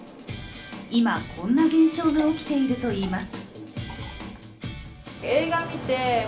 今、こんな現象が起きているといいます。